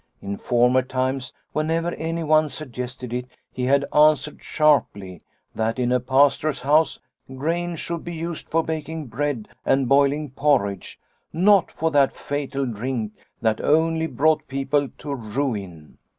In former times, whenever anyone suggested it, he had answered sharply that in a Pastor's house grain should be used for baking bread and boiling porridge, not for that fatal drink that only brought people to ruin.